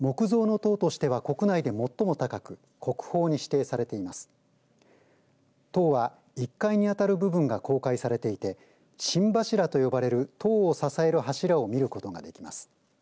塔は、１階に当たる部分が公開されていて心柱と呼ばれる塔を支える柱を見ることができます。